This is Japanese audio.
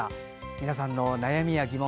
皆さんの悩みや疑問